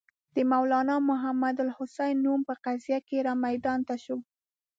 د مولنا محمودالحسن نوم په قضیه کې را میدان ته شو.